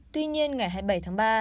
tuy nhiên ngày hai mươi bảy tháng ba